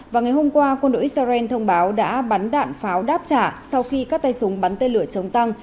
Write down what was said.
và ngày hôm qua quân đội israel thông báo đã bắn đạn pháo đáp trả sau khi các tay súng bắn tên lửa chống tăng